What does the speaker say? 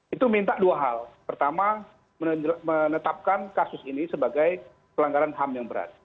itu minta dua hal pertama menetapkan kasus ini sebagai pelanggaran ham yang berat